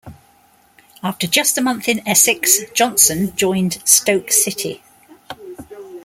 After just a month in Essex, Johnson joined Stoke City.